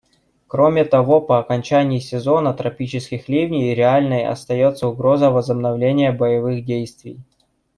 Кроме того, по окончании сезона тропических ливней реальной остается угроза возобновления боевых действий.